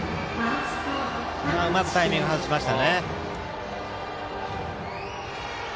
うまくタイミングを外しました。